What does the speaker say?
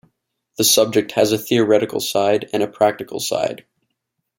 The subject has a theoretical side and a practical side.